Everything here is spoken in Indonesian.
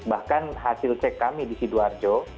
bahkan hasil cek kami di sidoarjo